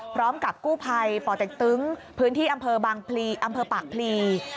พร้อมกับกู้ภัยป่อเต็กตึงพื้นที่อำเภอบางพลีอำเภอปากพลี